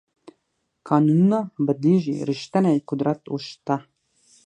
قانونونه بدلېږي ریښتینی قدرت اوس شته.